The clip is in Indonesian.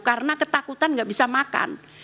karena ketakutan enggak bisa makan